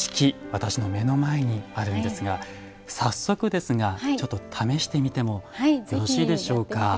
私の目の前にあるんですが早速ですがちょっと試してみてもよろしいでしょうか。